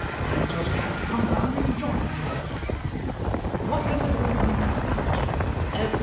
I just had to come down and join you all. What has it all been about? MRS HUSHABYE.